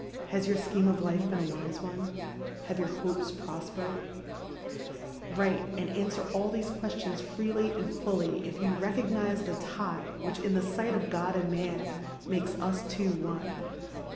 Has your scheme of life been a wise one ? Have your hopes prospered ?" Wnte and answer all these questions freely and fully if you recognise the tie which, in the sight of God and man, makes us two one.